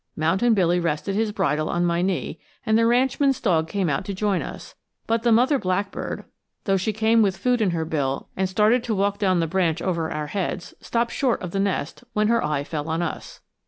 Mountain Billy rested his bridle on my knee, and the ranchman's dog came out to join us; but the mother blackbird, though she came with food in her bill and started to walk down the branch over our heads, stopped short of the nest when her eye fell on us.